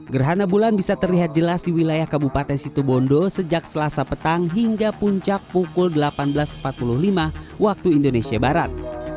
gerhana bulan bisa terlihat jelas di wilayah kabupaten situbondo sejak selasa petang hingga puncak pukul delapan belas empat puluh lima waktu indonesia barat